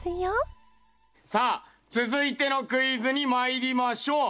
さあ続いてのクイズにまいりましょう。